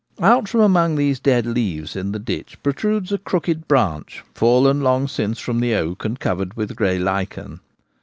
Oct from amef^r these dead leaves in the ditch protrudes a crooked branch fallen long since from the oak, and covered with grey lichen.